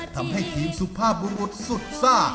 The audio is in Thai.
ทำให้ทีมสุภาพบุรุษสุดซ่า